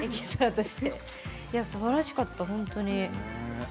すばらしかった、本当に。